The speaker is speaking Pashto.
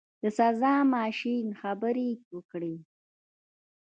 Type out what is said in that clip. د سزا ماشین خبرې وکړې.